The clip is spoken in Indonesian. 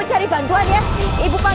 biad buri ambil kan